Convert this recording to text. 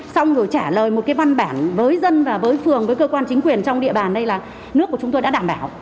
xong rồi trả lời một cái văn bản với dân và với phường với cơ quan chính quyền trong địa bàn đây là nước của chúng tôi đã đảm bảo